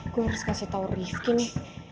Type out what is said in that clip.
gue harus kasih tau rifkin ya